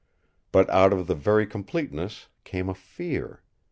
But out of the very completeness came a fear!